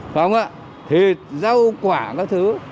thịt rau quả các thứ